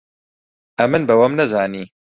ئەمن بە وەم نەزانی